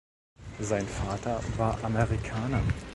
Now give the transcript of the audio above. Sein Vater war Amerikaner.